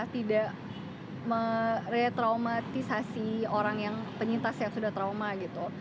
tidak meretraumatisasi orang yang penyintas yang sudah trauma gitu